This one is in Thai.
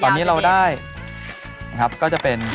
ตอนนี้เราได้นะครับก็จะเป็น